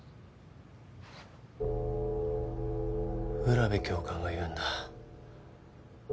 占部教官が言うんだ。